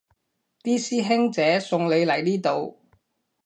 啲師兄姐送你嚟呢度